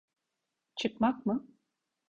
Çıkmak mı?